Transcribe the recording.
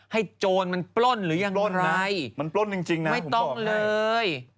ให้โจรมันปล้นหรือยังไงปล้นนะมันปล้นจริงนะไม่ต้องเลย